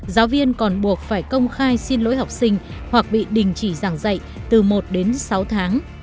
giáo viên còn buộc phải công khai xin lỗi học sinh hoặc bị đình chỉ giảng dạy từ một đến sáu tháng